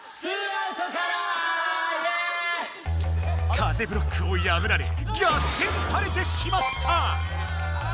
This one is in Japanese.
風ブロックをやぶられ逆転されてしまった！